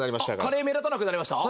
カレー目立たなくなりました？